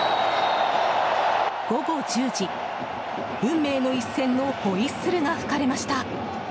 午後１０時、運命の一戦のホイッスルが吹かれました。